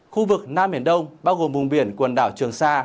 khu vực nam biển đông bao gồm vùng biển quần đảo trường sa